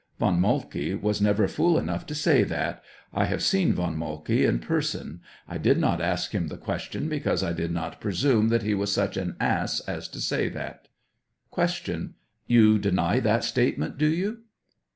Von Moltke was never fool enough to say that ; I have seen Von Moltke in person ; I did not ask him the question, because I did not presume that he was such an ass as to say that. Q. You deny that statement, do you?